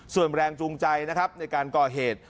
ส่วนแรงจูงใจนะครับในการก่อเหตุ